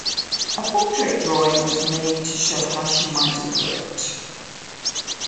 A portrait drawing was made to show how she might have looked.